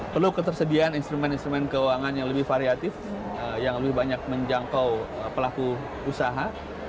perlu ketersediaan instrumen instrumen keuangan yang lebih variatif yang lebih banyak menjangkau pelaku usaha